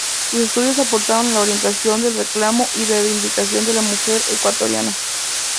Sus estudios aportaron en la orientación del reclamo y reivindicación de la mujer ecuatoriana.